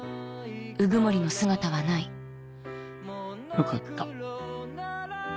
よかった。